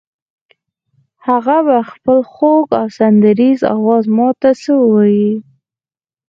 هغه به په خپل خوږ او سندریزه آواز ماته څه ووایي.